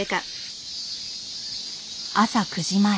朝９時前。